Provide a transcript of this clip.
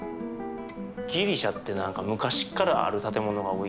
ギリシャって何か昔っからある建物が多いイメージ。